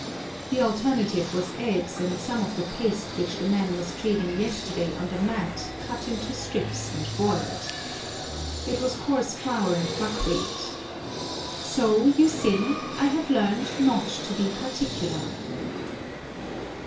The alternative was eggs and some of the paste which the man was treading yesterday on the mat cut into strips and boiled! It was coarse flour and buckwheat, so, you see, I have learned not to be particular!